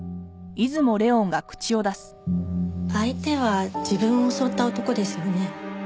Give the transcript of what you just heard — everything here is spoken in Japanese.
相手は自分を襲った男ですよね？